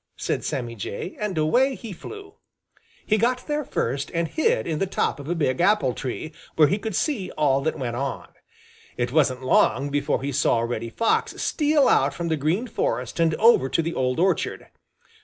said Sammy Jay, and away he flew. He got there first and hid in the top of a big apple tree, where he could see all that went on. It wasn't long before he saw Reddy Fox steal out from the Green Forest and over to the old orchard.